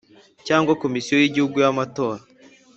cyangwa Komisiyo y’Igihugu y’Amatora.